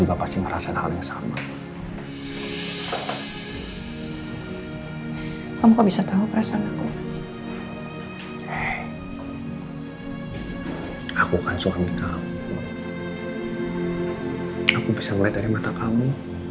aku bisa mulai dari mata kamu